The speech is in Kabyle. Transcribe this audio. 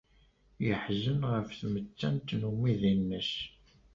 Yeḥzen ɣef tmettant n umidi-nnes.